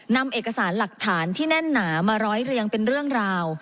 นำเอกสารหลักฐานที่แน่นหนามาร้อยเรียงเป็นเรื่องราว